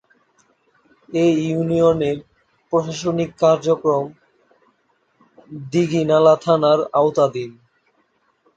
এ ইউনিয়নের প্রশাসনিক কার্যক্রম দীঘিনালা থানার আওতাধীন।